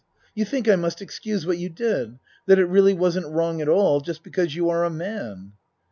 You think I must excuse what you did that it really wasn't wrong at all, just be cause you are a man.